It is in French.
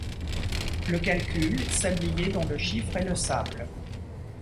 Le calcul, sablier dont le chiffre est le sable